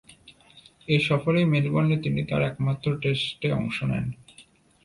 এ সফরেই মেলবোর্নে তিনি তার একমাত্র টেস্টে অংশ নেন।